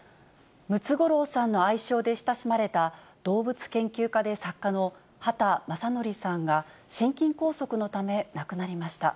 ムツゴロウさんの愛称で親しまれた、動物研究家で作家の畑正憲さんが、心筋梗塞のため亡くなりました。